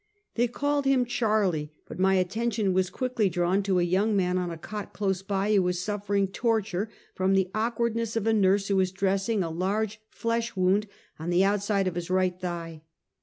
They called him Charlie; but my attention was quickly drawn to a young man, on a cot, close by, who was suffering torture from the awkwardness of a nurse who was dressing a large, flesh wound on the outside of his right thigh.